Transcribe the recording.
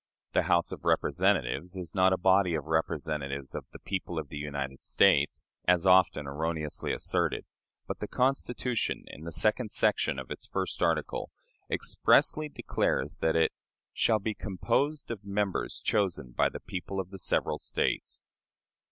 The House of Representatives is not a body of representatives of "the people of the United States," as often erroneously asserted; but the Constitution, in the second section of its first article, expressly declares that it "shall be composed of members chosen by the people of the several States."